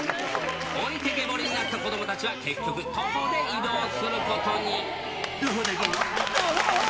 置いてけぼりな子どもたちは、結局、徒歩で移動することに。